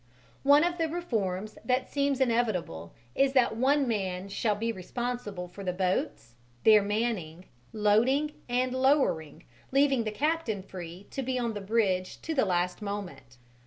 One of the reforms that seem inevitable is that one man shall be responsible for the boats, their manning, loading and lowering, leaving the captain free to be on the bridge to the last moment.